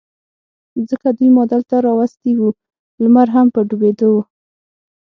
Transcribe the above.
ځکه دوی ما دلته را وستي و، لمر هم په ډوبېدو و.